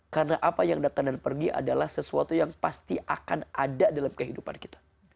karena apa yang datang dan pergi adalah sesuatu yang pasti akan ada dalam kehidupan kita